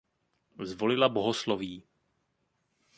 Zvolila bohosloví.